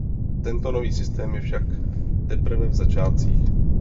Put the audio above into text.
Tento nový systém je však teprve v začátcích.